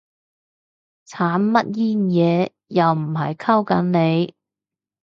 慘乜撚嘢？，又唔係溝緊你